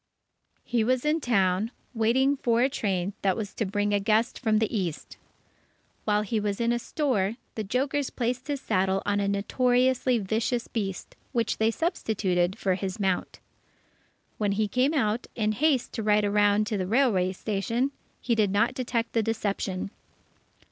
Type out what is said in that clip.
He was in town, waiting for a train that was to bring a guest from the East. While he was in a store, the jokers placed his saddle on a notoriously vicious beast, which they substituted for his mount. When he came out, in haste to ride around to the railway station, he did not detect the deception.